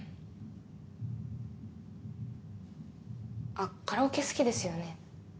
あっカラオケ好きですよね？